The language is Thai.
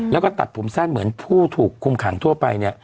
แล้วก็ตัดผมแซ่นเหมือนผู้ถูกคุมขังทั่วไป